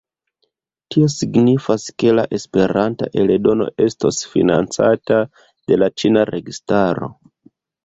Tio signifas, ke la Esperanta eldono estos financata de la ĉina registaro.